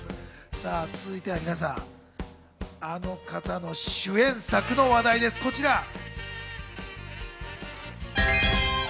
続いては皆さん、あの方の主演作の話題です、こちら。